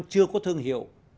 chưa có thương hiệu